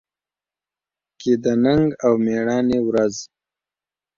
کې د ننګ او مېړانې ورځ